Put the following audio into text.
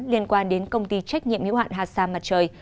liên quan đến công ty trách nhiệm hiệu hạn hà sa mặt trời